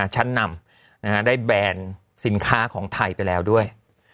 ชั้นนำได้แบรนด์สินค้าของไทยไปแล้วด้วย